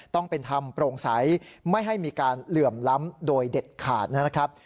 ต้องเป็นธรรมโปร่งใสไม่ให้มีการเหลื่อมล้ำโดยเด็ดขาดนะครับ